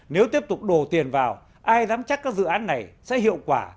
nếu tiếp tục đổ tiền vào ai nắm chắc các dự án này sẽ hiệu quả